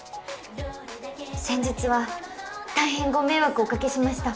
先日は大変ご迷惑をおかけしました。